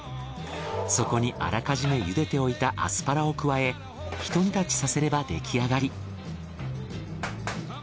そこにあらかじめゆでておいたアスパラを加えひと煮立ちさせれば出来上がり。